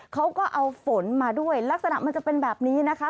เขาก็เอาฝนมาด้วยลักษณะมันจะเป็นแบบนี้นะคะ